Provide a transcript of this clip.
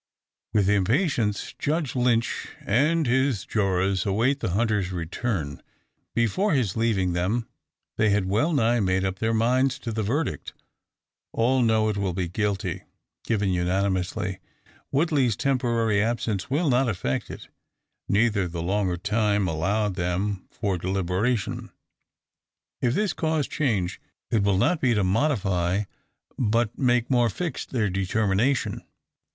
With impatience Judge Lynch and his jurors await the hunter's return. Before his leaving them, they had well nigh made up their minds to the verdict. All know it will be "Guilty," given unanimously. Woodley's temporary absence will not affect it. Neither the longer time allowed them for deliberation. If this cause change, it will not be to modify, but make more fixed their determination.